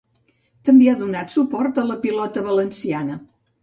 També ha donat suport a la pilota valenciana.